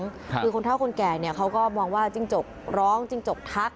คือคนเท่าคนแก่เนี่ยเขาก็มองว่าจิ้งจกร้องจิ้งจกทัก